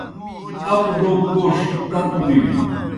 اپوْ ڈوگوْ گوݜ تتوْ بِینوْ۔